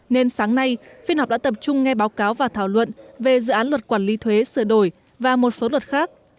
nên sáng nay phiên họp đã tập trung nghe báo cáo và thảo luận về dự án luật quản lý thuế sửa đổi và một số luật khác